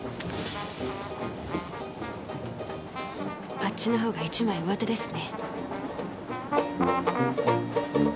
あっちのほうが一枚上手ですね。